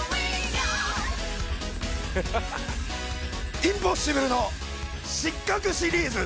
インポッシブルの「失格シリーズ」。